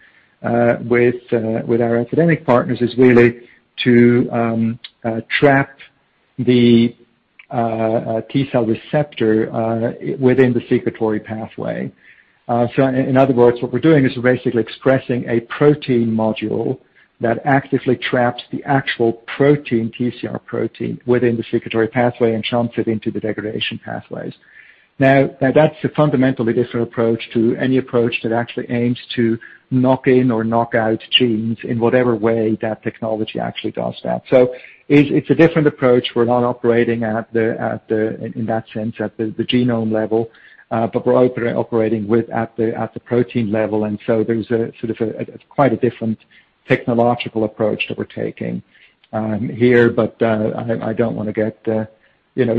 with our academic partners is really to trap the T-cell receptor within the secretory pathway. So in other words, what we're doing is we're basically expressing a protein module that actively traps the actual protein, TCR protein, within the secretory pathway and channels it into the degradation pathways. Now, that's a fundamentally different approach to any approach that actually aims to knock in or knock out genes in whatever way that technology actually does that. It's a different approach. We're not operating at the genome level. We're operating at the protein level, and there's sort of a quite different technological approach that we're taking here. I don't wanna you know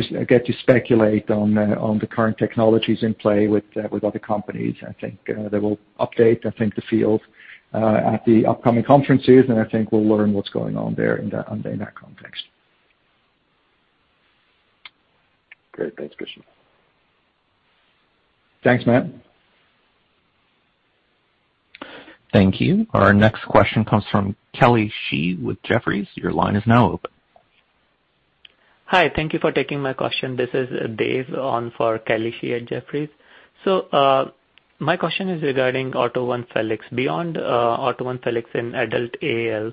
speculate on the current technologies in play with other companies. I think they will update the field at the upcoming conferences, and I think we'll learn what's going on there in that context. Great. Thanks, Christian. Thanks, Matt. Thank you. Our next question comes from Kelly Shi with Jefferies. Your line is now open. Hi. Thank you for taking my question. This is Dave on for Kelly Shi at Jefferies. My question is regarding AUTO1 FELIX. Beyond AUTO1 FELIX and Adult ALL,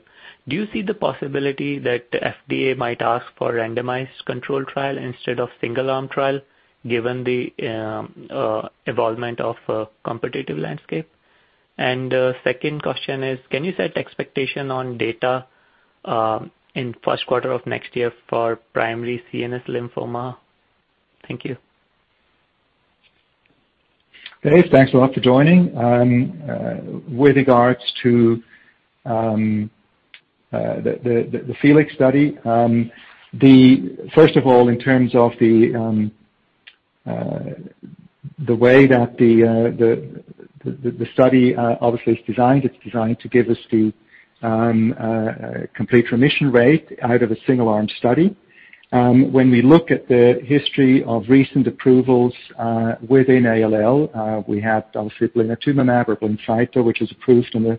do you see the possibility that FDA might ask for randomized controlled trial instead of single-arm trial given the evolution of competitive landscape? Second question is, can you set expectations on data in first quarter of next year for primary CNS lymphoma? Thank you. Dave, thanks a lot for joining. With regards to the FELIX study. First of all, in terms of the way that the study obviously is designed, it's designed to give us the complete remission rate out of a single-arm study. When we look at the history of recent approvals within ALL, we had obviously blinatumomab or Blincyto, which is approved in a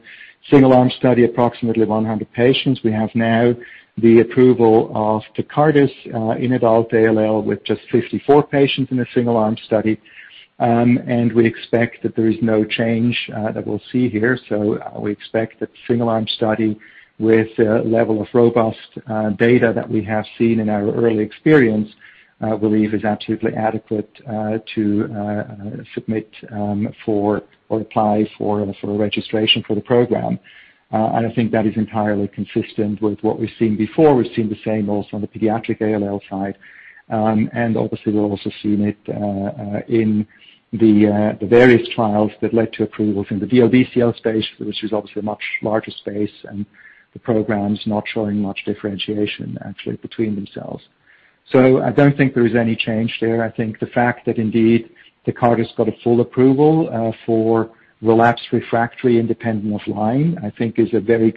single-arm study, approximately 100 patients. We have now the approval of Tecartus in Adult ALL with just 54 patients in a single-arm study. We expect that there is no change that we'll see here. We expect that the single-arm study with a level of robust data that we have seen in our early experience, we believe is absolutely adequate to submit for or apply for registration for the program. I think that is entirely consistent with what we've seen before. We've seen the same also on the Pediatric ALL side. Obviously, we've also seen it in the various trials that led to approvals in the DLBCL space, which is obviously a much larger space, and the program's not showing much differentiation actually between themselves. I don't think there is any change there. I think the fact that indeed Tecartus got a full approval for relapsed/refractory independent of line, I think is a very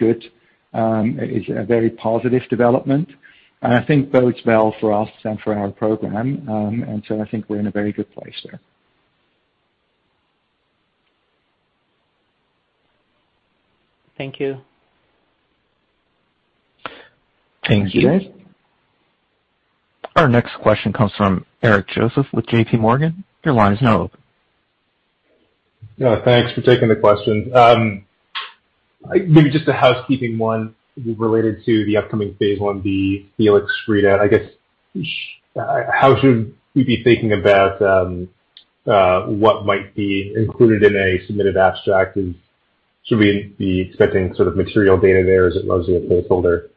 positive development, and I think bodes well for us and for our program. I think we're in a very good place there. Thank you. Thank you. Our next question comes from Eric Joseph with JPMorgan. Your line is now open. Yeah, thanks for taking the question. Maybe just a housekeeping one related to the upcoming phase I-B FELIX readout. I guess, how should we be thinking about what might be included in a submitted abstract? And should we be expecting sort of material data there as it relates to a placeholder?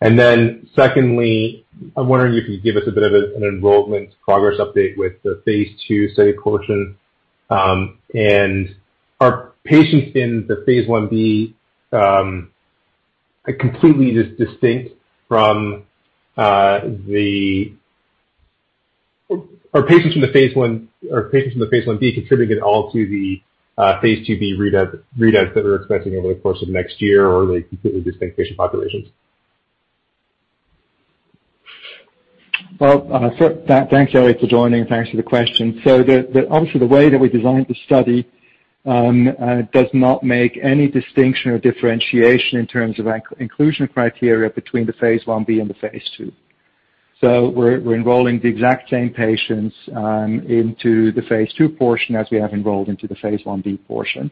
And then secondly, I'm wondering if you could give us a bit of an enrollment progress update with the phase II study portion. And are patients in the phase I-B completely just distinct from the phase I? Are patients from the phase I-B contributing at all to the phase II-B readouts that we're expecting over the course of next year, or are they completely distinct patient populations? Thanks, Eric, for joining, and thanks for the question. The way that we designed the study does not make any distinction or differentiation in terms of inclusion criteria between the phase I-B and the phase II. We're enrolling the exact same patients into the phase II portion as we have enrolled into the phase I-B portion.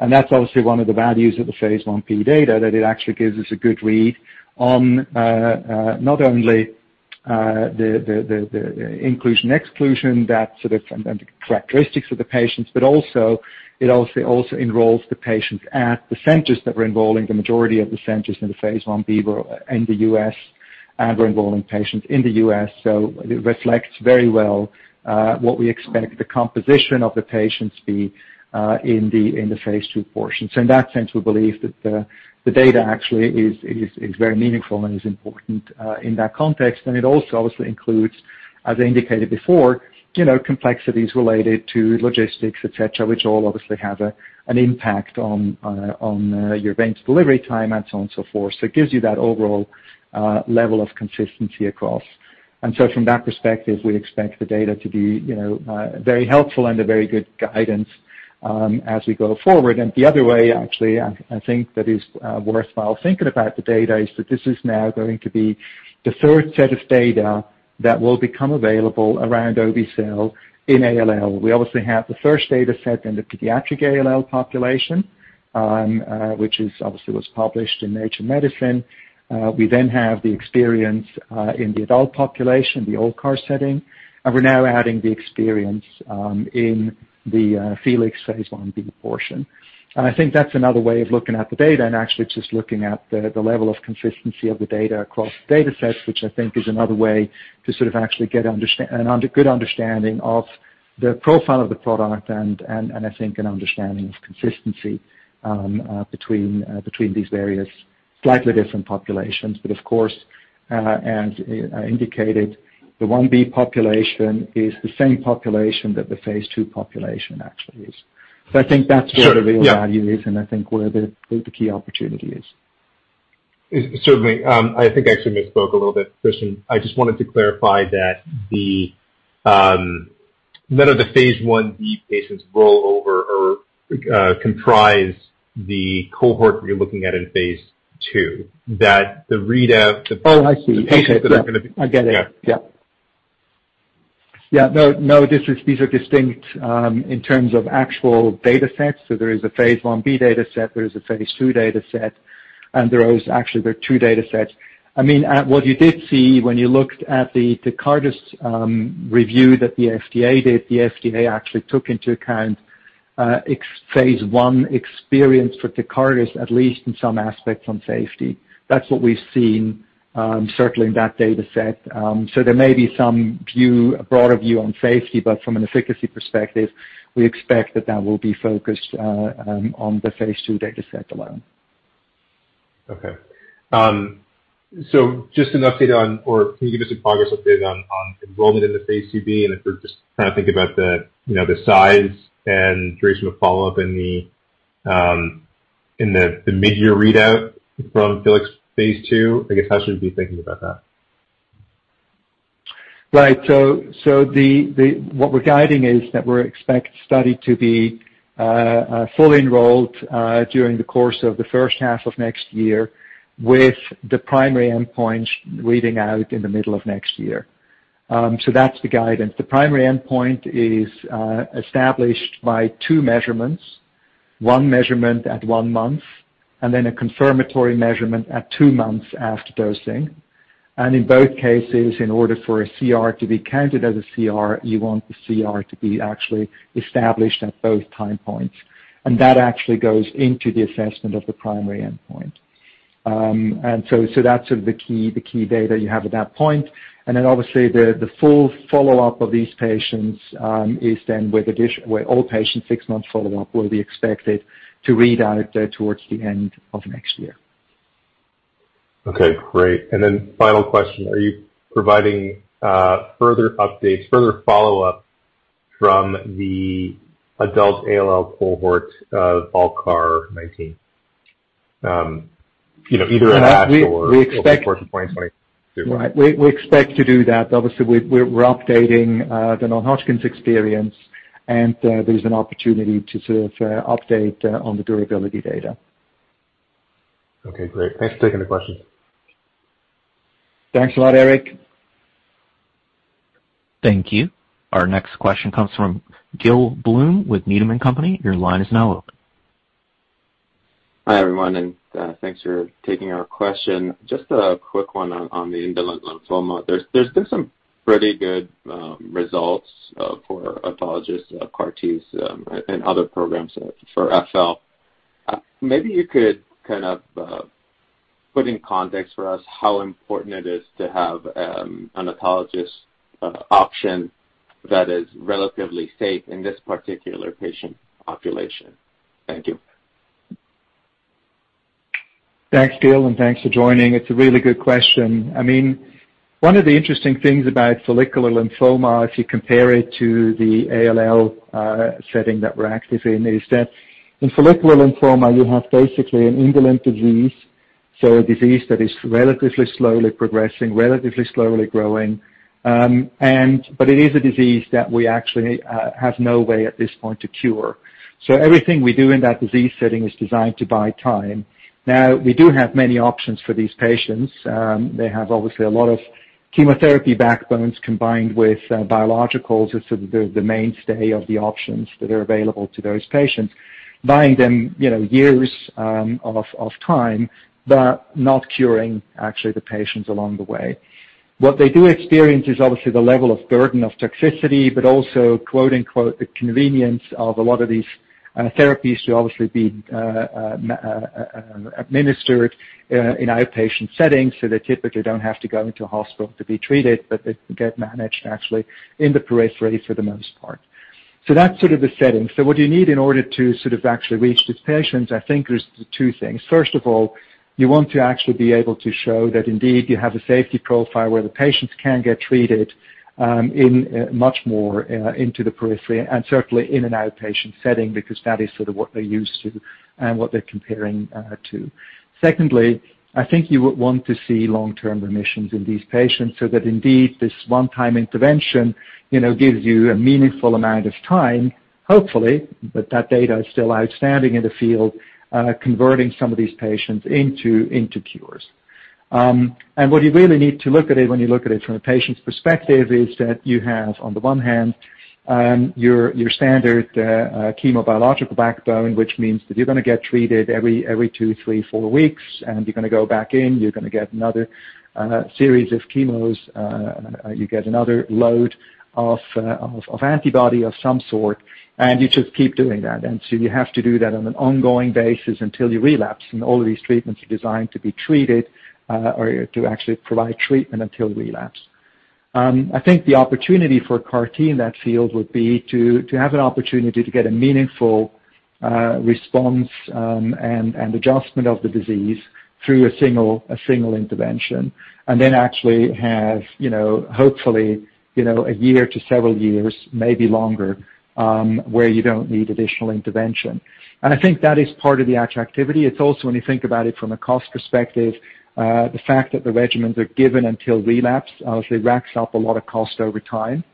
That's obviously one of the values of the phase I-B data, that it actually gives us a good read on not only the inclusion/exclusion, that sort of characteristics of the patients, but also it obviously also enrolls the patients at the centers that we're enrolling, the majority of the centers in the phase I-B were in the U.S., and we're enrolling patients in the U.S. It reflects very well what we expect the composition of the patients to be in the phase II portion. In that sense, we believe that the data actually is very meaningful and is important in that context. It also obviously includes, as I indicated before, you know, complexities related to logistics, et cetera, which all obviously have an impact on your bench delivery time and so on and so forth. It gives you that overall level of consistency across. From that perspective, we expect the data to be, you know, very helpful and a very good guidance as we go forward. The other way, actually, I think that is worthwhile thinking about the data is that this is now going to be the third set of data that will become available around obe-cel in ALL. We obviously have the first dataset in the Pediatric ALL population, which was obviously published in Nature Medicine. We then have the experience in the adult population, the ALLCAR setting, and we're now adding the experience in the FELIX phase I-B portion. I think that's another way of looking at the data and actually just looking at the level of consistency of the data across datasets, which I think is another way to sort of actually get a good understanding of the profile of the product and I think an understanding of consistency between these various slightly different populations. Of course, as I indicated, the I-B population is the same population that the phase II population actually is. I think that's where the real value is, and I think where the key opportunity is. Certainly. I think I actually misspoke a little bit, Christian. I just wanted to clarify that none of the phase I-B patients roll over or comprise the cohort you're looking at in phase II, that the readout- Oh, I see. The patients that are gonna be. I get it. Yeah. These are distinct in terms of actual datasets. There is a phase I-B dataset, there is a phase II dataset, and there are two datasets. What you did see when you looked at the Tecartus review that the FDA did, the FDA actually took into account ex-phase I experience with Tecartus, at least in some aspects on safety. That's what we've seen certainly in that dataset. There may be a broader view on safety, but from an efficacy perspective, we expect that will be focused on the phase II dataset alone. Okay. Just an update on, or can you give us a progress update on enrollment in the phase II-B? If we're just trying to think about the, you know, the size and duration of follow-up and the mid-year readout from FELIX phase II, I guess how should we be thinking about that? Right. What we're guiding is that we expect study to be fully enrolled during the course of the first half of next year, with the primary endpoint reading out in the middle of next year. That's the guidance. The primary endpoint is established by two measurements, one measurement at one month, and then a confirmatory measurement at two months after dosing. In both cases, in order for a CR to be counted as a CR, you want the CR to be actually established at both time points. That actually goes into the assessment of the primary endpoint. That's sort of the key data you have at that point. Obviously, the full follow-up of these patients is then with all patients six months follow-up will be expected to read out towards the end of next year. Okay, great. Final question, are you providing further updates, further follow-up from the Adult ALL cohort, ALLCAR19? You know, either at ASH or- We expect before 2022. Right. We expect to do that. Obviously, we're updating the non-Hodgkin's experience, and there's an opportunity to sort of update on the durability data. Okay, great. Thanks for taking the question. Thanks a lot, Eric. Thank you. Our next question comes from Gil Blum with Needham & Company. Your line is now open. Hi, everyone, and thanks for taking our question. Just a quick one on the indolent lymphoma. There's been some pretty good results for autologous CAR Ts and other programs for FL. Maybe you could kind of put in context for us how important it is to have an autologous option that is relatively safe in this particular patient population. Thank you. Thanks, Gil, and thanks for joining. It's a really good question. I mean, one of the interesting things about follicular lymphoma, if you compare it to the ALL setting that we're active in, is that in follicular lymphoma, you have basically an indolent disease, so a disease that is relatively slowly progressing, relatively slowly growing. But it is a disease that we actually have no way at this point to cure. So everything we do in that disease setting is designed to buy time. Now, we do have many options for these patients. They have obviously a lot of chemotherapy backbones combined with biologicals. It's sort of the mainstay of the options that are available to those patients, buying them, you know, years of time, but not curing actually the patients along the way. What they do experience is obviously the level of burden of toxicity, but also, quote, unquote, "the convenience" of a lot of these therapies to obviously be administered in outpatient settings, so they typically don't have to go into a hospital to be treated, but they get managed actually in the periphery for the most part. That's sort of the setting. What you need in order to sort of actually reach these patients, I think there's two things. First of all, you want to actually be able to show that indeed you have a safety profile where the patients can get treated in much more into the periphery and certainly in an outpatient setting because that is sort of what they're used to and what they're comparing to. Secondly, I think you would want to see long-term remissions in these patients so that indeed this one-time intervention, you know, gives you a meaningful amount of time, hopefully, but that data is still outstanding in the field, converting some of these patients into cures. What you really need to look at when you look at it from a patient's perspective is that you have, on the one hand, your standard chemo biological backbone, which means that you're gonna get treated every two, three, four weeks, and you're gonna go back in, you're gonna get another series of chemos, you get another load of antibody of some sort, and you just keep doing that. You have to do that on an ongoing basis until you relapse. All of these treatments are designed to be treated, or to actually provide treatment until relapse. I think the opportunity for a CAR T in that field would be to have an opportunity to get a meaningful response, and adjustment of the disease through a single intervention, and then actually have, you know, hopefully, you know, a year to several years, maybe longer, where you don't need additional intervention. I think that is part of the activity. It's also, when you think about it from a cost perspective, the fact that the regimens are given until relapse obviously racks up a lot of cost over time.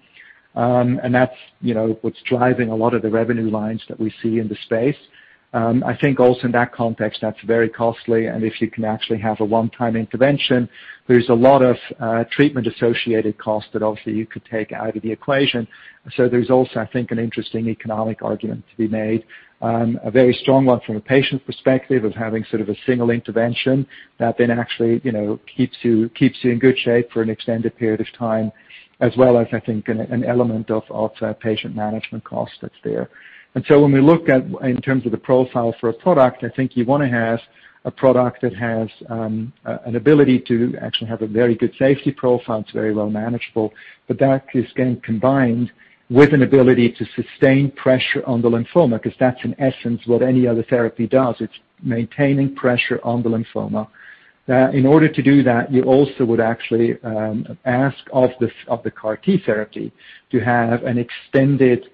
And that's, you know, what's driving a lot of the revenue lines that we see in the space. I think also in that context, that's very costly. If you can actually have a one-time intervention, there's a lot of treatment-associated costs that obviously you could take out of the equation. There's also, I think, an interesting economic argument to be made, a very strong one from a patient perspective of having sort of a single intervention that then actually, you know, keeps you in good shape for an extended period of time, as well as I think an element of patient management cost that's there. When we look at in terms of the profile for a product, I think you wanna have a product that has an ability to actually have a very good safety profile. It's very well manageable. That is getting combined with an ability to sustain pressure on the lymphoma, because that's in essence what any other therapy does. It's maintaining pressure on the lymphoma. That in order to do that, you also would actually ask of the CAR T therapy to have an extended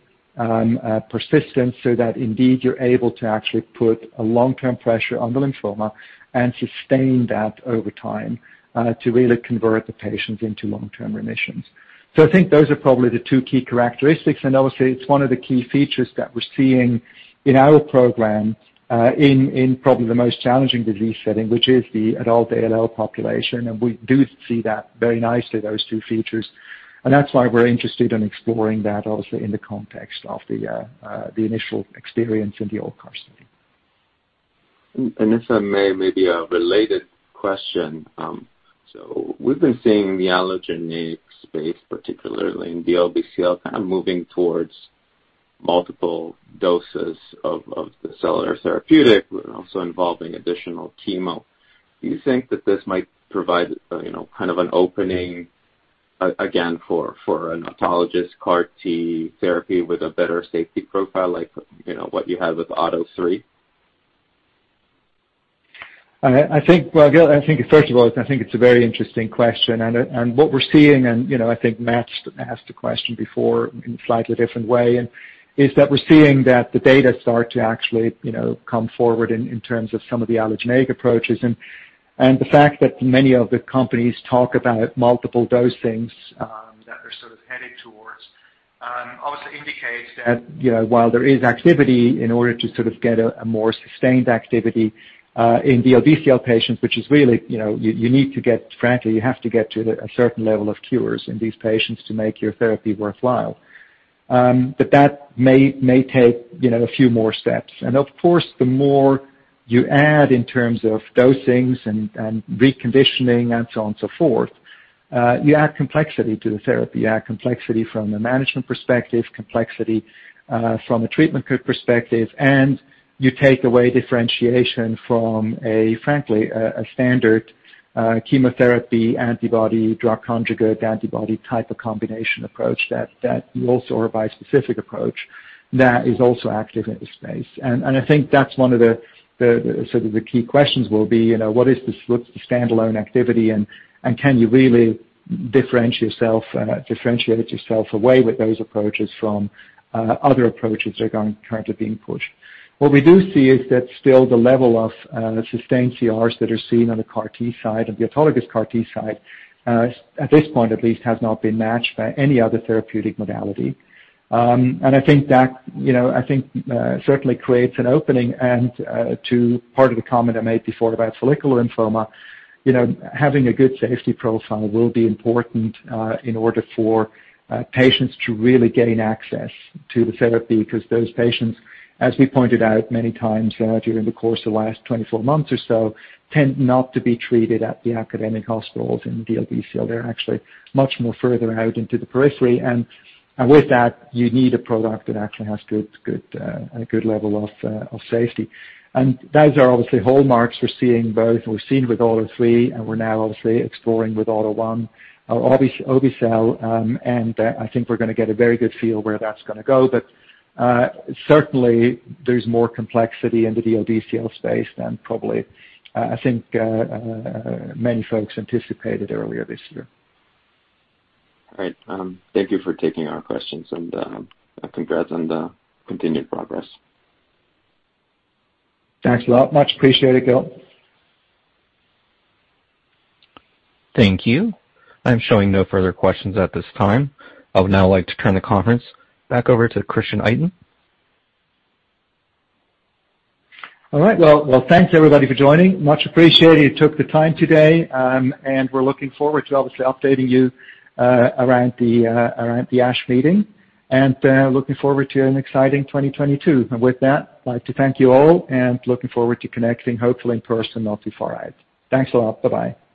persistence so that indeed you're able to actually put a long-term pressure on the lymphoma and sustain that over time to really convert the patients into long-term remissions. I think those are probably the two key characteristics, and obviously, it's one of the key features that we're seeing in our program in probably the most challenging disease setting, which is the Adult ALL population. We do see that very nicely, those two features. That's why we're interested in exploring that also in the context of the initial experience in the ALLCAR study. If I may, maybe a related question. So we've been seeing the allogeneic space, particularly in the DLBCL, kind of moving towards multiple doses of the cellular therapeutic but also involving additional chemo. Do you think that this might provide, you know, kind of an opening again for an autologous CAR T therapy with a better safety profile, like, you know, what you have with AUTO3? I think, well, Gil, I think first of all, I think it's a very interesting question. What we're seeing and, you know, I think Matt's asked a question before in a slightly different way, is that we're seeing that the data start to actually, you know, come forward in terms of some of the allogeneic approaches. The fact that many of the companies talk about multiple dosings that they're sort of headed towards obviously indicates that, you know, while there is activity in order to sort of get a more sustained activity in the DLBCL patients, which is really, you know, you need to get. Frankly, you have to get to a certain level of cures in these patients to make your therapy worthwhile. But that may take, you know, a few more steps. Of course, the more you add in terms of dosings and reconditioning and so on and so forth, you add complexity to the therapy. You add complexity from a management perspective, complexity from a treatment perspective, and you take away differentiation from a, frankly, a standard chemotherapy antibody-drug conjugate antibody type of combination approach that you also, or a bispecific approach that is also active in the space. I think that's one of the sort of the key questions will be, what is the sort of standalone activity and can you really differentiate yourself away with those approaches from other approaches that are currently being pushed. What we do see is that still the level of sustained CRs that are seen on the CAR T side, on the autologous CAR T side, at this point at least, has not been matched by any other therapeutic modality. I think that, you know, I think, certainly creates an opening. To part of the comment I made before about follicular lymphoma, you know, having a good safety profile will be important, in order for patients to really gain access to the therapy 'cause those patients, as we pointed out many times, during the course of the last 24 months or so, tend not to be treated at the academic hospitals in DLBCL. They're actually much more further out into the periphery. With that, you need a product that actually has a good level of safety. Those are obviously hallmarks we're seeing. Both we've seen with AUTO3, and we're now obviously exploring with AUTO1, obe-cel, and I think we're gonna get a very good feel where that's gonna go. Certainly there's more complexity in the DLBCL space than probably I think many folks anticipated earlier this year. All right. Thank you for taking our questions, and congrats on the continued progress. Thanks a lot. Much appreciated, Gil. Thank you. I'm showing no further questions at this time. I would now like to turn the conference back over to Christian Itin. All right. Well, thanks everybody for joining. Much appreciated you took the time today. We're looking forward to obviously updating you around the ASH meeting. Looking forward to an exciting 2022. With that, I'd like to thank you all, and looking forward to connecting, hopefully in person, not too far out. Thanks a lot. Bye-bye.